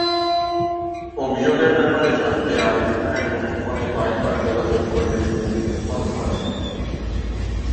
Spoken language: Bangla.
অভিযোগের ব্যাপারে জানতে আরিফ খানের মুঠোফোনে কয়েকবার যোগাযোগ করলে তিনি মুঠোফোন ধরেননি।